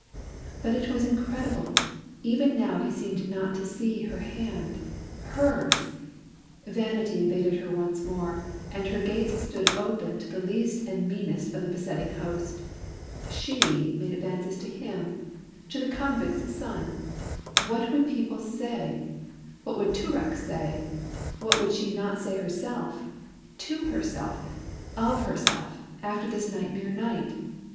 But it was incredible! Even now he seemed not to see her hand hers! Vanity invaded her once more, and her gates stood open to the least and meanest of the besetting host. She make advances to him, to the convict's son! What would her people say? What would Toorak say? What would she not say herself to herself of herself after this nightmare night?